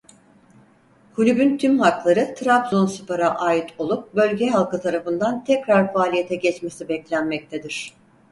Kulübün tüm hakları Trabzonspor'a ait olup bölge halkı tarafından tekrar faaliyete geçmesi beklenmektedir.